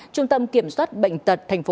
trung tâm kiểm soát bệnh tật tp hcm